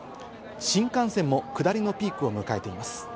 新幹線も下りのピークを迎えています。